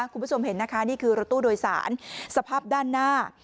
คุณผู้ชมเห็นนะคะนี่คือรถตู้โดยสารสภาพด้านหน้า